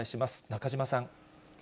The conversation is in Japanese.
中島さん。